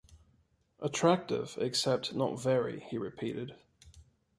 "Attractive, except not very," he repeated.